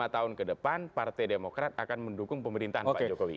lima tahun ke depan partai demokrat akan mendukung pemerintahan pak jokowi